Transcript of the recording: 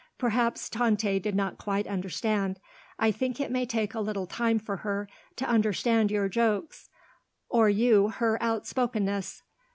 Perhaps Tante did not quite understand. I think it may take a little time for her to understand your jokes or you her outspokenness.